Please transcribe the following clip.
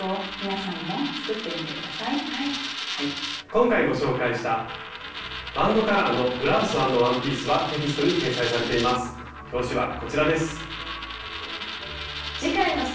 今回ご紹介した「バンドカラーのブラウス＆ワンピース」はテキストに掲載されています。